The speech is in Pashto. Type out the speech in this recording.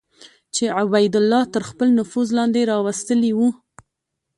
چې عبیدالله تر خپل نفوذ لاندې راوستلي وو.